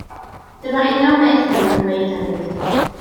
Dyna'n union beth maen nhw'n ddweud hefyd.